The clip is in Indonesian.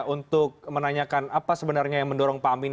untuk menanyakan apa sebenarnya yang mendorong pak amin